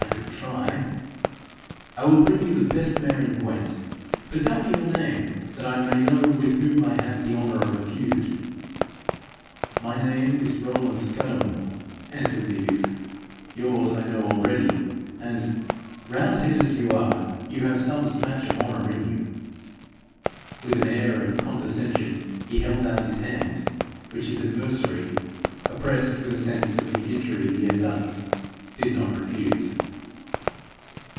'I could try.' 'I will bring you the best mare in Gwent. But tell me your name, that I may know with whom I have the honour of a feud.' 'My name is Roland Scudamore,' answered the youth. 'Yours I know already, and round head as you are, you have some smatch of honour in you.' With an air of condescension he held out his hand, which his adversary, oppressed with a sense of the injury he had done him, did not refuse.